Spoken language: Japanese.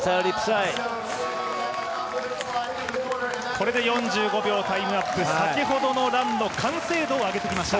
これで４５秒、タイムアップ先ほどのランの完成度を上げてきました。